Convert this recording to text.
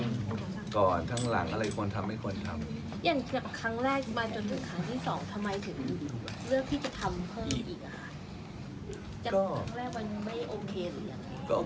อยากเช็บครั้งแรกมาจนจนครั้งที่สองทำไมถึงเลือกที่จะทำเพิ่มอีก